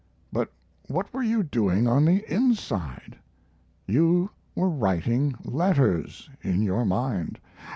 But what were you doing on the inside? You were writing letters in your mind.